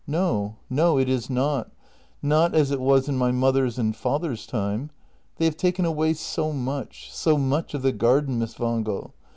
No, no, it is not — not as it was in my mother's and father's time. They have taken away so much — so much of the garden, Miss Wangel.